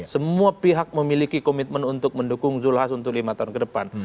semua pihak memiliki komitmen untuk mendukung zulhas untuk lima tahun ke depan